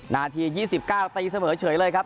นาทียี่สิบก้าวตีเสมอเฉยเลยครับ